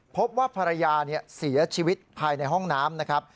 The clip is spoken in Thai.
พบว่าภรรยาเสียชีวิตภายในห้องน้ำนะครับ